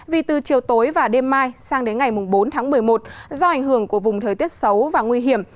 vì từ chiều tối và đêm mai sang đến ngày bốn tháng một mươi một do ảnh hưởng của vùng thời tiết xấu và nguy hiểm